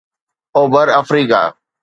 اوڀر آفريڪا